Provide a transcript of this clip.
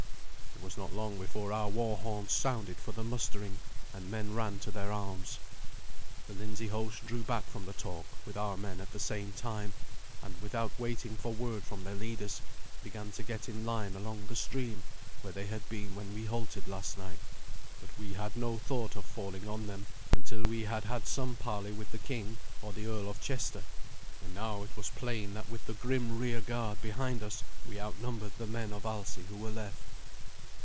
It was not long before our war horns sounded for the mustering, and men ran to their arms. The Lindsey host drew back from the talk with our men at the same time, and, without waiting for word from their leaders, began to get in line along the stream, where they had been when we halted last night. But we had no thought of falling on them until we had had some parley with the king or the Earl of Chester. And now it was plain that with the grim rearguard behind us we outnumbered the men of Alsi who were left.